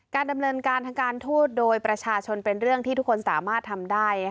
ดำเนินการทางการทูตโดยประชาชนเป็นเรื่องที่ทุกคนสามารถทำได้